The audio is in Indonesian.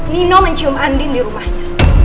nino mencium andin di rumahnya